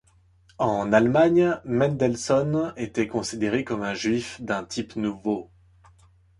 En Allemagne, Mendelssohn était considéré comme un juif d'un type nouveau.